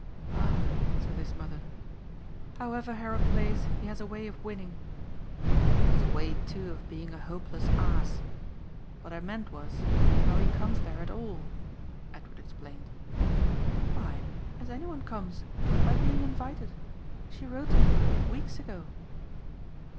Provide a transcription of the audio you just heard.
"Ah," said his mother, "however Harold plays he has a way of winning." "He has a way too of being a hopeless ass. What I meant was how he comes there at all," Edward explained. "Why as any one comes by being invited. She wrote to him weeks ago."